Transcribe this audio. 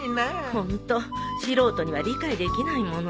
ホント素人には理解できないものね。